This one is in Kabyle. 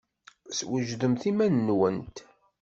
Swejdemt iman-nwent.